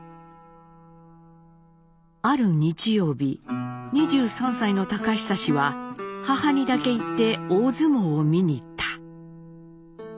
「ある日曜日二十三歳の隆久氏は母にだけ言って大相撲を見に行った。